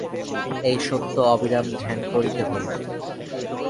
এই সত্য অবিরাম ধ্যান করিতে হইবে।